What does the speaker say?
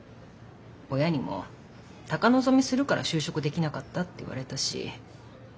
親にも高望みするから就職できなかったって言われたし。